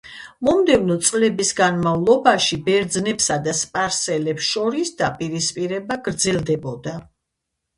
მომდევნო წლების განმავლობაში ბერძნებსა და სპარსელებს შორის დაპირისპირება გრძელდებოდა.